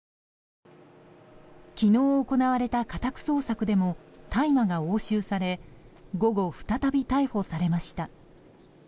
昨日行われた家宅捜索でも大麻が押収され午後、再び逮捕されました。